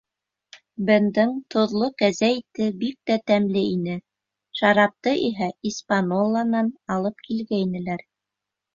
Бендың тоҙло кәзә ите бик тә тәмле ине, шарапты иһә «Испаньола»нан алып килгәйнеләр.